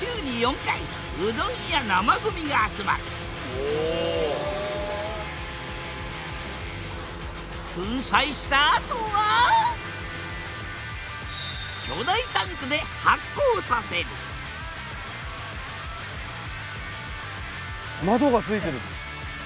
この発電所には粉砕したあとは巨大タンクで発酵させる窓がついてる。